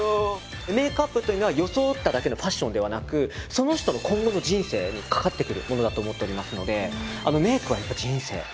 メイクアップというのは装っただけのファッションではなくその人の今後の人生にかかってくるものだと思っておりますので。